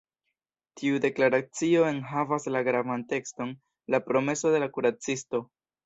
Tiu deklaracio enhavas la gravan tekston “La promeso de la kuracisto”.